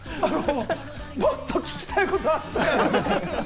もっと聞きたいことあったのに。